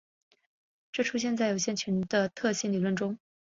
这出现在有限群的特征理论中。